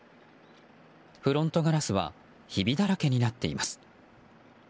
フロントガラスはひびだらけになっています。